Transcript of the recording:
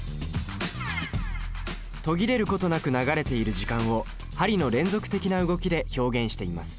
途切れることなく流れている時間を針の連続的な動きで表現しています。